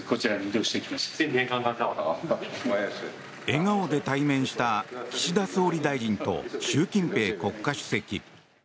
笑顔で対面した岸田総理大臣と習近平国家主席。